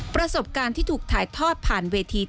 ประสบการณ์ที่ถูกถ่ายทอดผ่านเวทีถอดบทเรียน